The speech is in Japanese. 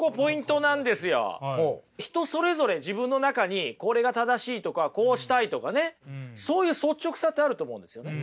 人それぞれ自分の中にこれが正しいとかこうしたいとかねそういう率直さってあると思うんですよね。